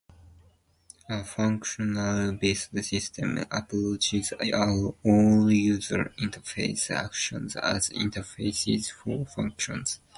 A functional based system approaches all user interface actions as interfaces for functions.